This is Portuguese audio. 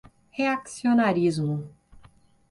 reaccionarismo